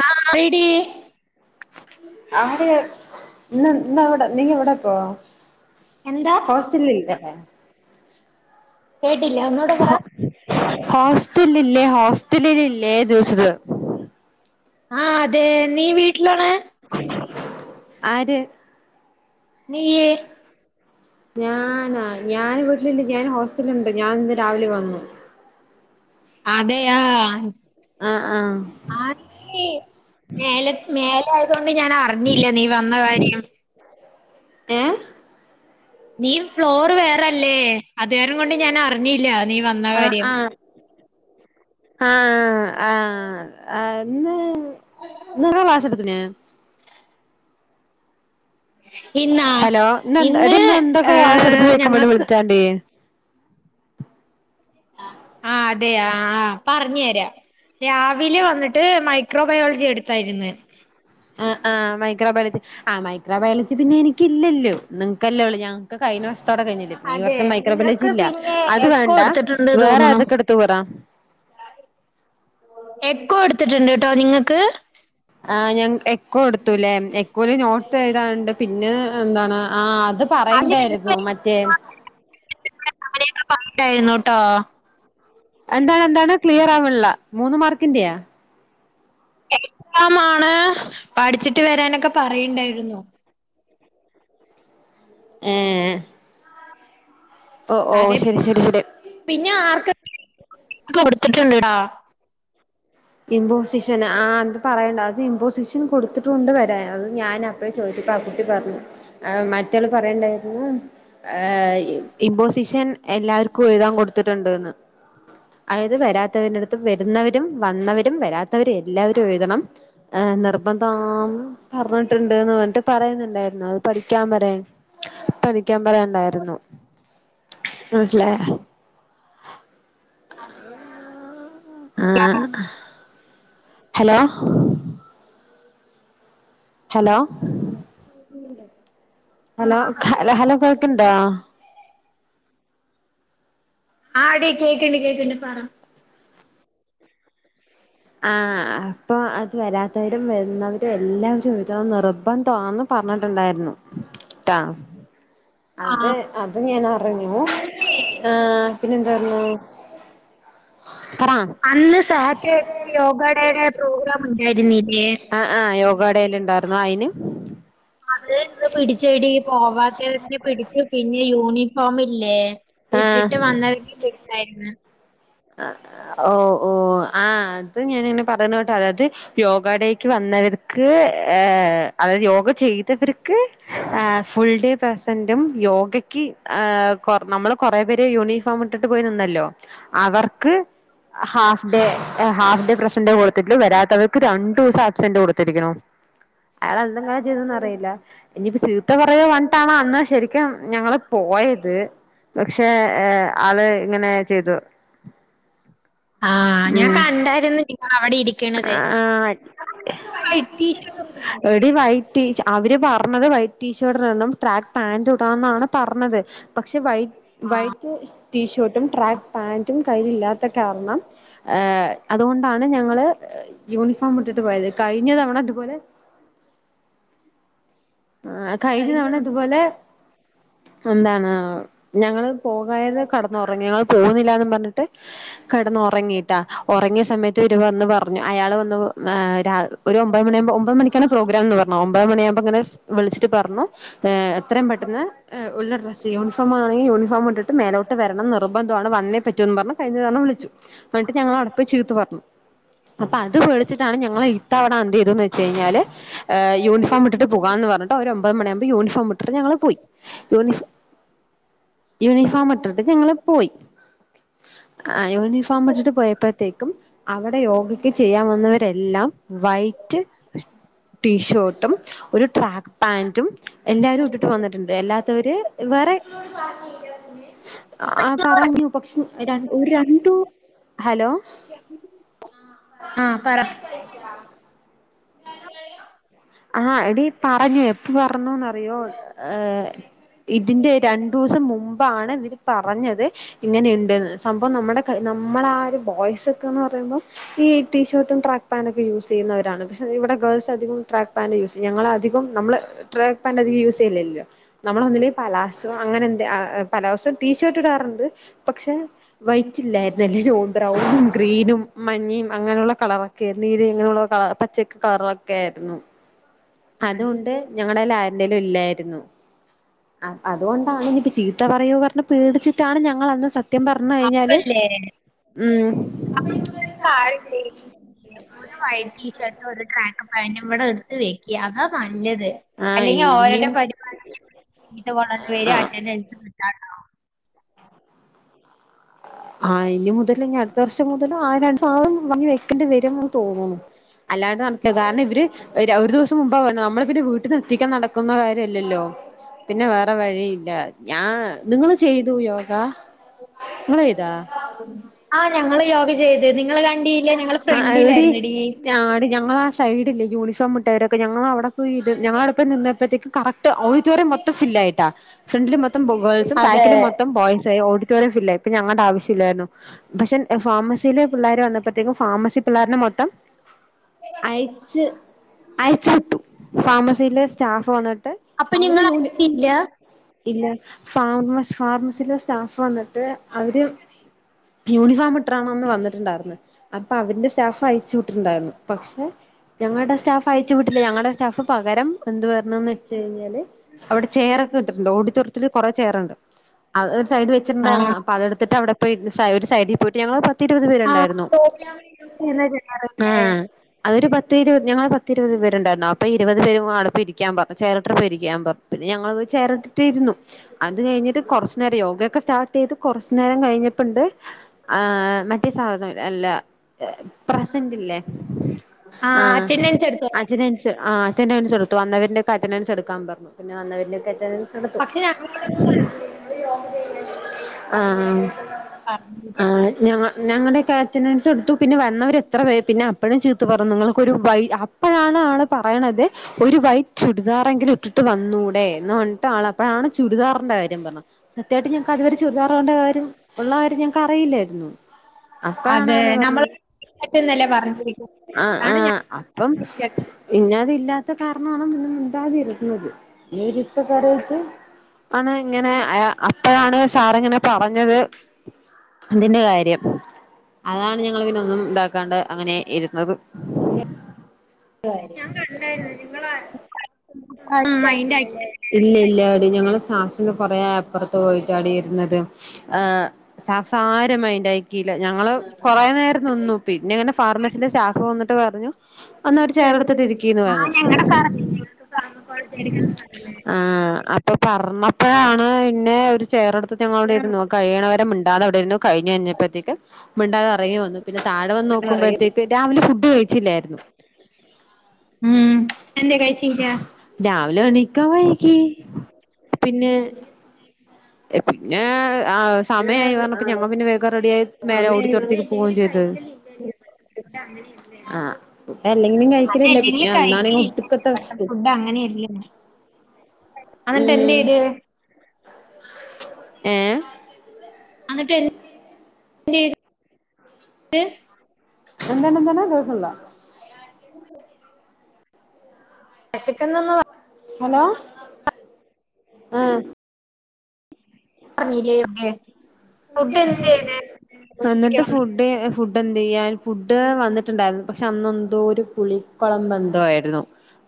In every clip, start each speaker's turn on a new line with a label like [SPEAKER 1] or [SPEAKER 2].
[SPEAKER 1] ആഹ് പറയടി
[SPEAKER 2] അവര് ഇന്ന് ഇന്ന് അവടെ നീയെവിടെ പ്പഴോ
[SPEAKER 1] എന്താ
[SPEAKER 2] ഹോസ്റ്റലിലില്ലേ
[SPEAKER 1] കേട്ടില്ല ഒന്നൂടെ പറ
[SPEAKER 2] ഹോസ് ഹോസ്റ്റ്ലിലില്ലേ ഹോസ് സ്റ്റലില് ഇല്ലേ ചോച്ചത്
[SPEAKER 1] ആഹ് അതെ നീ വീട്ടിലാണ്
[SPEAKER 2] ആര്
[SPEAKER 1] നീയ്
[SPEAKER 2] ഞാനാ ഞാന് വീട്ടില്ണ്ട് ഞാൻ ഹോസ് ട്ട്ല്ണ്ട് ഞാൻ ഇന്ന് രാവിലെ വന്നു
[SPEAKER 1] അതെയ
[SPEAKER 2] ആഹ് ആഹ്
[SPEAKER 1] ആലേ ആത ഞാൻ അറിഞ്ഞില്ല നീ വന്ന കാര്യം
[SPEAKER 2] ആഹ്
[SPEAKER 1] നീ ഫ്ലോർ വെയർ അല്ലേ അത്കാരം കൊണ്ട് ഞാൻ അറിഞ്ഞില്ല നീ വന്ന കാര്യം
[SPEAKER 2] ആഹ് ആഹ് ആ അന്ന് നിറ വാസ എടുത്തിന്
[SPEAKER 1] ഇന്നാ
[SPEAKER 2] ഹലോ ന്ന്
[SPEAKER 1] ഇന്ന്
[SPEAKER 2] അടി എന്തൊക്കെ ക്ലാസ് എടുത്ത്
[SPEAKER 1] ഏഹ്
[SPEAKER 2] ചോയിക്കാൻ വേണ്ടി
[SPEAKER 1] ഞങ്ങക്ക്
[SPEAKER 2] വിളിച്ചാണ്ടി
[SPEAKER 1] ആ അതെയ ആഹ് പറഞ്ഞു തരാം രാവിലെ വന്നിട്ട് മൈക്രോബയോളജി എടുത്തായിരുന്നു
[SPEAKER 2] ആ ആ മൈക്രോ ബയോളജി ആ മൈക്രോബയോളജി പിന്നെ എനിക്കില്ലല്ലോ നിങ്ങക്കല്ലേ ഉള്ളൂ ഞാൻ കഴിഞ്ഞ വഷത്തോടെ കഴിഞ്ഞി ഈ
[SPEAKER 1] അതെ
[SPEAKER 2] വർഷം മൈക്രോബലേജി
[SPEAKER 1] നിനക്ക്
[SPEAKER 2] ഇല്ല
[SPEAKER 1] പിന്നെ
[SPEAKER 2] അത്
[SPEAKER 1] എക്കോ
[SPEAKER 2] വേണ്ട
[SPEAKER 1] എടുത്തിട്ടുണ്ട്
[SPEAKER 2] വേറെ
[SPEAKER 1] തോന്നണു
[SPEAKER 2] അതൊക്കെ എടുത്തു പറ
[SPEAKER 1] ക്കോ എടുത്തിട്ടുണ്ട്ട്ടോ നിങ്ങൾക്ക്
[SPEAKER 2] ആ ഞാ എ ക്ക കൊടുത്തൂലേ എക്കോല് നോട്ട് ചെയ്തണ്ട് പിന്നെ എന്താണ് ആ അത്
[SPEAKER 1] അതിൽ
[SPEAKER 2] പറയണ്ടായിരുന്നു മറ്റേ
[SPEAKER 1] ണ്ടായിരുന്നുട്ടോ
[SPEAKER 2] എന്താണ് എന്താണ് ക്ലിയർ ആവ് ള്ള മൂന്ന് മാർക്കിന്റെയാ?
[SPEAKER 1] എക്സാമാണ് പഠിച്ചിട്ട് വരാനൊക്കെ പറയണ്ടായിരുന്നു. [unintelligible]
[SPEAKER 2] ഓ ഓ ശരി ശരി ശരി
[SPEAKER 1] ക്കെ കൊടുത്തിട്ട്ണ്ട്ടാ
[SPEAKER 2] ഇമ്പോസിഷൻ ആ ന്ത് പറയേണ്ട ഇമ്പോസിഷൻ കൊടുത്തിട്ടുണ്ട് വരാ അത് ഞാൻ അപ്പഴേ ചോദിച്ചിപ്പോ ആ കുട്ടി പറഞ്ഞു മറ്റൾ പറയണ്ടായിരുന്നു ഇമ്പോസിഷൻ എല്ലാവർക്കും എഴുതാൻ കൊടുത്തിട്ടുണ്ട്ന്ന്. അതായത് വരാത്തവരുടുത്ത് വരുന്നവര് [unintelligible] വന്നവരും വരാത്തവരും എല്ലാവരും എഴുതണം ഏ നിർബന്ധം പറഞ്ഞിട്ടുണ്ട്ന്ന് പറഞ്ഞിട്ട് പറയുന്നുണ്ടായിരുന്നു അത് പഠിക്കാൻ പറയാ പഠിക്കാൻ പറയാനണ്ടായിരുന്നു മൻസിലാ ആ ഹലോ ഹലോ അലോ ഹ ഹലോ കേക്ക്ണ്ടോ?
[SPEAKER 1] ആ ടീ കേക്ക്ണ്ട് കേക്ക്ണ്ട് പറ
[SPEAKER 2] ആഹ അപ്പൊ അത് വരാത്തവരും വരുന്നവ എല്ലാം ചോയിച്ചണം നിർബന്ധാ ന്ന്പറഞ്ഞിട്ടുണ്ടായിരുന്നു ട്ടാ.
[SPEAKER 1] ആ
[SPEAKER 2] അത് അത് ഞാൻ അറിഞ്ഞു ആ പിന്നെ
[SPEAKER 1] അന്ന് സഹകെ യോഗയുടെയുടെ പ്രോഗ്രാം ഉണ്ടായിരുന്നില്ലേ
[SPEAKER 2] യോഗാടെല് ഇണ്ടായിരുന്നു അയിന്
[SPEAKER 1] അത് ത പിടി ചെടി പോവാത്തവെ പിടിച്ചു പിന്നെ യൂണിഫോമി ഇല്ലെ ഇട്ടിട്ട്
[SPEAKER 2] ആഹ്
[SPEAKER 1] വന്ന [unintelligible] ര്ന്ന്
[SPEAKER 2] ഓ ഓ ആ അത് ഞാനിങ്ങനെ പറയുന്ന കേട്ടെ അതായത് യോഗടേക്ക് വന്നവർക്ക് ഏ അതായത് യോഗ ചെയ്തവർക്ക് ഫുൾ ഡേ പെസന്റും യോഗക്ക് ആ കൊർ നമ്മള് കൊറെ പേര് യൂണിഫോം ഇട്ടിട്ട് പോയി നിന്നല്ലോ അവർക്ക് half day half day present കൊടുത്തിട്ടു വരാത്തവർക്ക് രണ്ട് ദിവസം ആബ്സന്റ് കൊടു ത്തിരിക്ണ് അയാൾ എന്തെങ്കാലും ചെയ്തന്ന് അറിയില്ല ഇനിയിപ്പോ ചീത്ത പറയ വഞ്ഞിട്ടാണോ അന്ന് ശരിക്കും ഞങ്ങള് പോയത് പക്ഷേ ആള് ഇങ്ങനെ ചെയ്തു
[SPEAKER 1] ആ ഞാൻ
[SPEAKER 2] ഉം
[SPEAKER 1] കണ്ടായിരുന്നു നി അവിടെ ഇരിക്കണത്
[SPEAKER 2] ആഹ് എടി
[SPEAKER 1] [unintelligible]
[SPEAKER 2] വൈറ്റ് ടീ അവര് പറഞ്ഞത് വൈറ്റ് ടീഷർട്ടിൽ നിന്നും ട്രാക്ക് പാന്റ് ഇടാന്നാണ് പർനത് പക്ഷെ വൈറ്റ് വൈറ്റ് ടീഷർ ട്ടും ട്രാക് പാൻ കയ്യിലല്ലാത്ത കാരണം ഏ അതുകൊണ്ടാണ് ഞങ്ങള് യൂണിഫോം ഇട്ടിട്ട് പോയത് കഴിഞ്ഞ തവണ ഇത്പോലെ ആ കഴിഞ്ഞ തവണ ഇതുപോലെ എന്താണ് ഞങ്ങൾ പോകായത് കടന്നുറങ്ങി ഞങ്ങൾ പോകുന്നില്ലന്ന് പറഞ്ഞിട്ട് കടന്ന ഉറങ്ങിട്ടാ ഉറങ്ങിയ സമയത്ത് ഇരു വന്ന് പറഞ്ഞു അയാൾ വന്ന് ഒരു ഒമ്പത് മണിയാകുമ്പോ ഒമ്പത് മണിക്കാണ് പ്രോഗ്രാം എന്ന് പറഞ്ഞത് ഒമ്പത് മണിയകുമ്പോ ഇങ്ങനെ വിളിച്ചിട്ട് പറഞ്ഞു ഏ എത്രയും പെട്ടെന്ന് ഉള്ള ഡ്ര. സി യൂണിഫോമായി യൂണഫോമിട്ടിട്ട് മേലോട്ട് വരണം നിർബന്ധമാണ് വന്നേ പറ്റൂന്ന് പറഞ്ഞ കഴിഞ്ഞ തവണ വിളിച്ചു എന്നിട്ട് ഞങ്ങളട അപ്പൊ ചീത്ത് പറഞ്ഞു അപ്പൊ അത് പേടിച്ചിട്ടാണ് ഞങ്ങള് ഇത്തവണ എന്ത് ചെയ്തന്ന് വെച്ച കഴിഞ്ഞാല് ഏ യൂണിഫോം ഇട്ട്ട്ട് പോകാന്ന് പർ ന്നട്ട് ഒര് ഒമ്പത് മണിയാവുമ്പ യൂണിഫോ ഒമറ്റർ ഞങ്ങള് പോയി യൂണിഫോ യൂണിഫോം ഇട്ടിട്ട് ഞങ്ങൾ പോയി അ ആ യൂണഫോം ഇട്ടിട്ട് പോയപ്പോഴത്തേ കം അവിടെ യോഗയ്ക്ക് ചെയ്യാൻ വന്നവരെല്ലാം വൈറ്റ് ടീഷർട്ടും ഒരു ട്രാക് പാൻ്റും എല്ലാരും ഇട്ടിട്ട് വന്ന്ട്ട് ഇണ്ട് എല്ലാത്തവെര് വേറെ
[SPEAKER 1] അപ്പൊ
[SPEAKER 2] ആ
[SPEAKER 1] നിങ്ങള്
[SPEAKER 2] പറഞ്ഞു പക്ഷെ രൺ ഒരു രണ്ടു ഹലോ
[SPEAKER 1] ഹെലോ
[SPEAKER 2] ആ എടി പറഞ്ഞു എപ്പോ പറഞ്ഞുന്ന് അറിയോ ഏ [inaudible] ഇതിന്റെ രണ്ടുസം മുമ് അപ്പാണ് ഇവര് പറഞ്ഞെത് ഇങ്ങനെ ഇണ്ട്ന്ന് സംഭവം നമ്മെടെ കൈ നമ്മളെ ആ ഒര് ബോയ്സ് ഒക്കെന്ന് പറയുമ്പോ ഈ ടീഷർട്ടും ട്രാക്ക് പാന്റും ഒക്കെ യൂസ് ചെയ്യുന്നവരാണ് പക്ഷെ ഇവടെ ഗേൾസ് അധികും ട്രാക്ക് പാന്റ് യൂസ് ചെയ്യും ഞങ്ങൾ അധികം നമ്മള് ട്രാക്ക് പാന്റ് അധികം യൂസ് ചെയ്യൽ ഇല്ല നമ്മൾ ഒന്നില്ലെങ്കി പലാസോ അങ്ങനെ എന്തെ ആഹ് പലോസോ ടീഷർട്ട് ഇടാറ് ഇണ്ട് പക്ഷെ വൈ റ്റില്ലായിര്‌ന്നെല്ലോ ലോ ബ്രൗണും ഗ്രീനും മഞ്ഞിം അങ്ങനെയുള്ള കളറൊക്കെ ആയിരുന്നു നീലെം ഇങ്ങനെയുള്ള കളർ പച്ചൊക്കെ കളറൊക്കെ ആയിരുന്നു അത് കൊണ്ട് ഞങ്ങളെൽ ആര്ന്റെലും ഇല്ലായിര്ന്നു അ അപ്പ അതുകൊണ്ടാണ് ഇനിയിപ്പം ചീത്ത പറയോ പർണ് പേടിച്ചിട്ടാണ് ഞങ്ങ [unintelligible] സത്യം പറഞ്ഞ് കഴിഞ്ഞാല്
[SPEAKER 1] അപ്പല്ലേ
[SPEAKER 2] ഉം
[SPEAKER 1] ഒരു വൈറ്റ് ടീഷർട്ട് ഒരു ട്രാക്ക് പാൻ്റും ഇവിടെ എടുത്ത് വെയ്ക്കാണ് - ന്നത്
[SPEAKER 2] ആഹ്
[SPEAKER 1] അല്ലെങ്കിൽ
[SPEAKER 2] ഇനി
[SPEAKER 1] ഓരുടെ
[SPEAKER 2] ഇനിയും
[SPEAKER 1] പരിപാടി പ
[SPEAKER 2] ആഹ്
[SPEAKER 1] അറ്റൻി [inaudible] ആ [inaudible]
[SPEAKER 2] ആ ഇനി മുതൽ ഇനി അടുത്ത വർഷം മുതല് ആരസാധ [unintelligible] നങ്ങൾ വെക്കേണ്ടി വരുമെന്ന് തോന്നുന്നു അല്ലാണ്ട് നടക്കതെ കാരണം ഇവര് ഒരു ദിവസം മുമ്പ് പറഞ്ഞത് നമ്മള് പിന്നെ വീട്ടിൽ ഒറ്റയ്ക്ക് എത്തിക്കാൻ നടക്കുന്ന കാര്യമല്ലല്ലോ പിന്നെ വേറെ വഴിയില്ല അ [inaudible] ഞാ നിങ്ങള് ചെയ്തോ യോഗ നിങ്ങള് ചെയ്‌തോ
[SPEAKER 1] ആ ഞങ്ങള് യോഗ ചെയ്ത് നിങ്ങള് കൺടില്ല ഞങ്ങള് ഫ്രണ്ടിലായിരുന്ന് ടി
[SPEAKER 2] ഞങ്ങള് ആ സൈഡിൽ യൂണിഫോം ഇട്ടവരൊക്കെ ഞങ്ങള് അവിടെ പോയി ഇരുന്ന് ഞങ്ങള അവിടെ നിന്നെ നിന്നപ്പോഴത്തേക്ക് കറക്റ്റ് ഓഡിറ്റോറിയം മൊത്തം ഫിൽ ആയിട്ടാ ഫ്രണ്ടിൽ മൊത്തം ഗേൾസും ബാക്കിൽ
[SPEAKER 1] അതെ
[SPEAKER 2] മൊത്തം ബോയ്സും ആയി- ഇപ്പ ഞ [inaudible] ആവിശ്യം ഇല്ലായിരുന്നു പക്ഷെ ഫാർമസിയിലെ പിള്ളേരെ വന്നപ്പോഴത്തേക്കും ഫാർമസി പിള്ളേര് മൊത്തം അയച്ച് വിട്ടു ഫാർമെസിലെ സ്റ്റാഫ് വന്നിട്ട്
[SPEAKER 1] അപ്പൊ
[SPEAKER 2] അവര്
[SPEAKER 1] നിങ്ങൾ അറിയില്ല
[SPEAKER 2] യൂണിയൻ ഇല്ല ഫാർമസിലെ സ്റ്റാഫ്- വന്നിട്ട് അവര് യൂണിഫോം ഇട്ടി [unintelligible] ട്ടണ് വന്നിട്ടുണ്ടായിരുന്നു അപ്പൊ അവന്റെ സ്റ്റാഫ് അയച്ചു വിട്ടിട്ടുണ്ടായിരുന്നു പക്ഷെ ഞങ്ങളുടെ സ്റ്റാഫ് അയച്ചു വിട്ടില്ല ഞങ്ങളുടെ സ്റ്റാഫ് പകരം എന്ത് പറഞ്ഞെന്ന് വെച്ച കഴിഞ്ഞാല് അവിടെ ചെയർക്കെ ഇട്ടിട്ടുണ്ട് ഓടിറ്റോറിയത്തിൽ കുറെ ചെയർണ്ട് അത് ഒരു സൈഡ്
[SPEAKER 1] ആഹ്
[SPEAKER 2] വെച്ചിട്ടുണ്ടായിരുന്നു അപ്പൊ അത് അതെടുത്ത്- അവിടെ പോയിരുന്ന് [unintelligible] സൈഡിൽ പോയിട്ട് ഞങ്ങള് പത്തിരുപത്
[SPEAKER 1] ആ
[SPEAKER 2] പേരുണ്ടായിരുന്നു
[SPEAKER 1] ചെയ്യുന്ന ജനറൊക്കെ
[SPEAKER 2] ആഹ് അതൊരു പത്തിരുപത് ഞങ്ങള് പത്തിരുപത് പേരുണ്ടായിരുന്നു അപ്പ ഇരുപത് പേരും കൂടെ അവിടെ പോയി ഇരിക്കാൻ പറഞ്ഞു ചെയറിട്ട് ഇരിക്കാൻ പറഞ്ഞു പിന്നെ ഞങ്ങൾ പോയി ചെയറിട്ടിട്ട് ഇരുന്നു അത് കഴിഞ്ഞിട്ട് കൊറച്ചു നേരം യോഗയൊക്കെ സ്റ്റാർ സ്റ്റാർട്ട് ചെയ്ത് കുറച്ച് നേരം കഴിഞ്ഞപ്പുണ്ട് ആഹ് മറ്റേ സാധനം അല്ലേ അല്ല പ്രസന്റ്ല്ലേ
[SPEAKER 1] ആ
[SPEAKER 2] ആഹ്
[SPEAKER 1] അറ്റൻഡൻസ് എടുത്തോളാം
[SPEAKER 2] അറ്റൻഡൻസ് അറ്റൻഡൻസ് എടുത്തു വന്നവരന്റെ ഒക്കെ അറ്റൻഡൻസ് എടുക്കാൻ പറഞ്ഞു പിന്നെ വന്നവന്റെ ഒക്കെ അറ്റൻഡൻസ് എടുത്തു
[SPEAKER 1] പക്ഷെ ഞങ്ങൾ
[SPEAKER 2] ആഹ് ആഹ്
[SPEAKER 1] പറഞ്ഞില്ല
[SPEAKER 2] ആഹ് ഞങ്ങ ഞങ്ങടെ ഒക്കെ അറ്റൻഡൻസ് എടുത്തു പിന്നെ വന്നവർ എത്ര പേര് പിന്നെ അപ്പഴും ചീത്ത പറഞ്ഞു നിങ്ങൾക്കൊരു ബൈ അപ്പഴാണ് ആള് പറയണത് ഒരു വൈറ്റ് ചുരിദാറെങ്കിലും ഇട്ടിട്ട് വന്നൂടെ എന്ന് പറഞ്ഞിട്ട് ആള് അപ്പഴാണ് ചുരിദാറിൻന്റെ കാര്യം പറഞ്ഞത് സത്യായിട്ട് ഞങ്ങക്ക് അതുവരെ ചുരിദാർ ഇടണ്ട കാര്യം ഉള്ള കാര്യം ഞങ്ങൾക്ക് അറിയില്ലായിരുന്നു അപ്പഴാണ്
[SPEAKER 1] അതെ
[SPEAKER 2] അയാള്
[SPEAKER 1] നമ്മൾ
[SPEAKER 2] പറഞ്ഞത്
[SPEAKER 1] പറ്റുന്നല്ലേ പറഞ്ഞിരിക്കുന്നത്
[SPEAKER 2] ആഹ്
[SPEAKER 1] അതാണ് ഞാൻ
[SPEAKER 2] ആഹ് അപ്പം
[SPEAKER 1] കേട്ട
[SPEAKER 2] [unintelligible] ഇല്ലാത്ത കാരണമാണ് [unintelligible] [unintelligible] ആണ് ഇങ്ങനെ അപ്പോഴാണ് സാറ് ഇങ്ങനെ പറഞ്ഞത് ഇതിന്റെ കാര്യം അതാണ് ഞങ്ങള് പിന്നെ ഒന്നും ഇതാക്കാണ്ട് അങ്ങനെ ഇരുന്നത്
[SPEAKER 1] കാര്യം മൈൻഡ് ആക്കി
[SPEAKER 2] [unintelligible] ഇല്ല ഇല്ലാടി ഞങ്ങള് സ്റ്റാഫ്സിൻ്റെ കൊറെ അപ്പുറത്ത് പോയ ആടി ഇരുന്നത് ആഹ് സ സാര മൈൻണ്ടാക്കീല ല്ല ഞങ്ങള് കൊറെ നേരം നിന്നു പിന്നെ അങ്ങനെ ഫാർമസീലെ സ്റ്റാഫ് വന്നിട്ട് പറഞ്ഞു എന്നാ ഒരു ചെയറെടുത്തിട്ട് ഇരിക്കീന്ന്
[SPEAKER 1] ആ
[SPEAKER 2] പറഞ്ഞു
[SPEAKER 1] ഞങ്ങളുടെ സാർ
[SPEAKER 2] ആഹ് പറഞ്ഞപ്പോഴാണ് പിന്നെ ഒരു ചെയറെടുത്തിട്ട് ടുത്ത് ഞങ്ങൾ അവിടെ കഴിയണവരെ മിണ്ടാതവിടെ ഇരുന്നു കഴിഞ്ഞ കഴഞ്ഞപ്പോഴത്തേക്ക് മിണ്ടാതെ എറങ്ങി വന്നു പിന്നെ താഴെ വന്ന്
[SPEAKER 1] ഇവിടെ
[SPEAKER 2] നോക്കുമ്പോഴത്തേക്ക്
[SPEAKER 1] അറിയുന്നു
[SPEAKER 2] രാവിലെ ഫുഡ് കഴിച്ചില്ലായിരുന്നു
[SPEAKER 1] ഉം എന്തേ കഴിച്ചീല്ല
[SPEAKER 2] രാവിലെ എണിക്കാൻ വൈകി. പിന്നെ പിന്നെ ആ
[SPEAKER 1] ഞാൻ
[SPEAKER 2] സമയമായി
[SPEAKER 1] ആ
[SPEAKER 2] പറഞ്ഞപ്പ ഞങ്ങ പിന്നെ വേഗം റെഡിയായി മേലെ
[SPEAKER 1] സമയായി വന്ന്
[SPEAKER 2] ഓഡിറ്റോറിയത്തിലേക്ക് പോവയും ചെയ്ത് ആഹ് അല്ലെങ്കിലും കഴിക്കലില്ല പിന്നെ
[SPEAKER 1] അതെല്ലെങ്കിലും
[SPEAKER 2] അന്നാണെ
[SPEAKER 1] കഴിക്കലില്ല
[SPEAKER 2] ഒടുക്കത്തെ വെശപ്പ്
[SPEAKER 1] അന്നിട്ട് എന്ത് ചെയ്ത്
[SPEAKER 2] എഏ
[SPEAKER 1] അന്നിട്ടൻ [unintelligible]
[SPEAKER 2] [unintelligible]
[SPEAKER 1] എന്ത് വിശക്കന്നന്ന്പ
[SPEAKER 2] ഹലോ ആഹ
[SPEAKER 1] [unintelligible] എന്ത് ചെയ്ത്
[SPEAKER 2] ഫുഡ് എന്തത്
[SPEAKER 1] ഉച്ചയ്ക്ക് വന്ന്
[SPEAKER 2] എന്നിട്ട്ഫുഡ്... ഫുഡ് എന്ത്ചെയ്യാൽ ഫുഡ് വന്നിട്ടുണ്ടായിരുന്നു പക്ഷെ അന്നെന്തോ ഒരു പുളിക്കുളം ബന്ധയിരുന്നു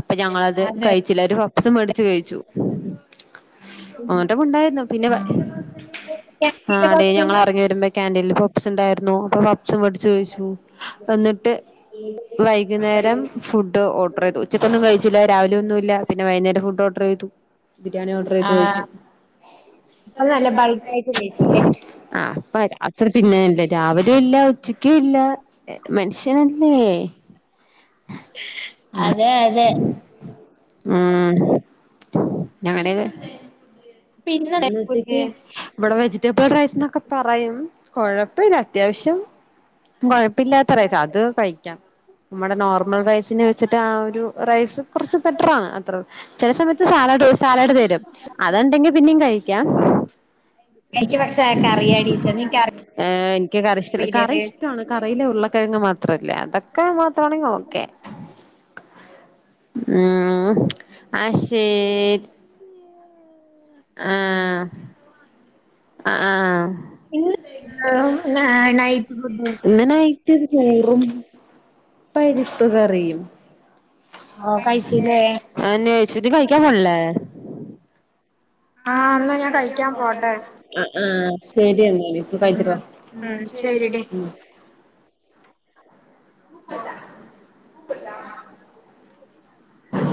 [SPEAKER 2] അപ്പൊ ഞങ്ങളത്
[SPEAKER 1] അതെ
[SPEAKER 2] കഴിച്ചില്ല ഒരു പപ്സും മേടിച്ചു കഴിച്ചു. അങ്ങോട്ടപ്പണ്ടായിരുന്നു പിന്നെ ആ്
[SPEAKER 1] ക്യാൻറ്റീനിലെ
[SPEAKER 2] അടേ ഞങ്ങൾ
[SPEAKER 1] ഭക്ഷണം
[SPEAKER 2] ഇറങ്ങി വരുമ്പോ ക്ൻഡീൽ പപ്സ് ഉണ്ടായിരുന്നു അപ്പൊ പപ്സും മേടിിച്ചു കോിച്ചു വന്നിട്ട് വൈകുന്നേരം ഫുഡ് ഓർഡർ ചെയ്തു ഉച്ചക്ക്ൊന്നും കഴിച്ചില്ല രാവിലെ ഒന്നും ഇല്ല പിന്നെ വൈകുന്നേര ഫു് ഓർഡർ ചെയ്തു. ബിരിയാണി ഓർഡർ ചെയ്ത്
[SPEAKER 1] ആ
[SPEAKER 2] വഴിച്ചു
[SPEAKER 1] അപ്പൊ നല്ല ബൾക്കായിട്ട് കഴിച്ചില്ലേ
[SPEAKER 2] ആ അപ്പ അത്ര പിന്നെല്ലേ രാവിലും ഇല്ല ഉച്ചക്ക ഇല്ല മനുഷ്യനല്ലേ.. [unintelligible] ആഹ്
[SPEAKER 1] അതെ അതെ
[SPEAKER 2] ഉം ഞങ്ങടെ
[SPEAKER 1] പിന്നെ
[SPEAKER 2] എന്ന്
[SPEAKER 1] ഫുഡ്
[SPEAKER 2] എച്ചക്ക ബട വെജ ഇ റൈസ് എന്നൊക്കെ പറയും കുഴപ്പമില്ല അത്യാവശ്യം കുഴപ്പില്ലാത്ത റൈസ് അത് കഴിക്കാം നമ്മടെ നോർമൽ റൈസിന്ന് വെച്ചിട്ട് ആ ഒരു റൈസ് കുറച്ച് ബെറ്ററാണ് അത്ര ചില സമയത്ത് സാലഡ് സാലാഡ് തരും. അത്ണ്ടെങ്കി പിന്നെയും കഴിക്കാം
[SPEAKER 1] എനിക്ക് പക്ഷെ കറിയാ ടീച്ചർ നിനക്ക്
[SPEAKER 2] എനിക്ക് കറി ഇഷ്ട കറി
[SPEAKER 1] അറിയില്ലേ
[SPEAKER 2] ഇഷ്ടമാണ് കറയിലെ ഉരുള്ളക്കിഴങ്ങ് മാത്ര അത്രല്ല അതൊക്കെ മാത്രമാണെങ്ക നോക്കെ ഉം ആഷേ...
[SPEAKER 1] അത് ആ
[SPEAKER 2] ആഹ
[SPEAKER 1] ഇന്ന് [unintelligible]
[SPEAKER 2] എന്നനയി തീർച്ചയായും പരുപ്പ്ക്കറിയും
[SPEAKER 1] ഓ കഴിച്ചില്ലേ
[SPEAKER 2] അ യശുതി കായിക്ക മല [unintelligible]
[SPEAKER 1] ആഹ ഒന്നാ ഞാൻ കഴിക്കാൻ പോട്ടെ
[SPEAKER 2] ആ ശരിയെന്നാ
[SPEAKER 1] ഉം
[SPEAKER 2] കഴരുവാ
[SPEAKER 1] ഉം ശരിടി
[SPEAKER 2] കൂപ്പത കൂപ്പത
[SPEAKER 1] ആ